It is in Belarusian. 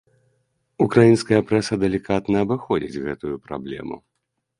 Украінская прэса далікатна абыходзіць гэтую праблему.